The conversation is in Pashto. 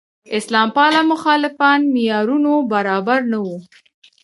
اسلام پاله مخالفان معیارونو برابر نه وو.